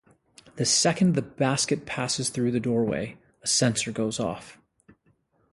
The second the basket passes through the doorway, a sensor goes off.